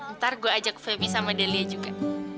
ntar gue ajak feby sama delia juga